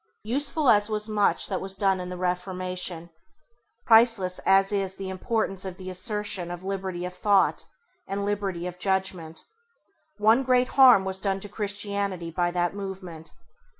Useful as was much that was done in the Reformation, priceless as is the importance of the assertion of Liberty of Thought and Liberty of Judgment, one [Page 16] great harm was done to Christianity by that movement.